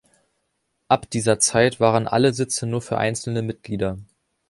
Ab dieser Zeit waren alle Sitze nur für einzelne Mitglieder.